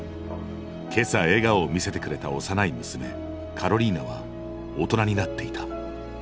今朝笑顔を見せてくれた幼い娘カロリーナは大人になっていた。